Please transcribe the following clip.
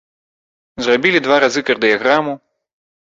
Зрабілі два разы кардыяграму.